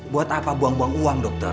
buat apa buang buang uang dokter